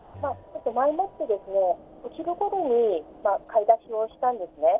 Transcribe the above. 前もって、お昼ごろに買い出しをしたんですね。